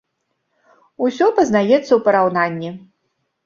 Усё пазнаецца ў параўнанні.